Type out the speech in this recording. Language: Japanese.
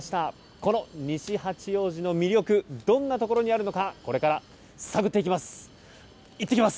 この西八王子の魅力どんなところにあるのかこれから探っていきます。